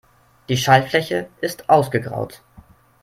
Die Schaltfläche ist ausgegraut.